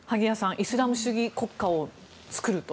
イスラム主義国家を作ると。